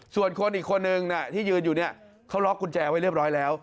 ส่วนคนอีกคนนึงที่ยืนอยู่เนี่ยเขาล็อกกุญแจไว้เรียบร้อยแล้ว